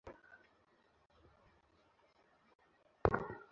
আমাদের সামনে যেতে হবে না।